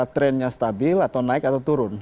trendnya stabil atau naik atau turun